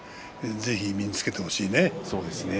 ぜひ身につけてほしいね。